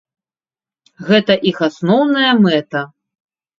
Гэта іх асноўная мэта.